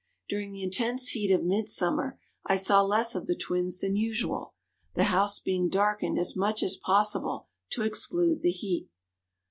During the intense heat of midsummer I saw less of the twins than usual, the house being darkened as much as possible to exclude the heat.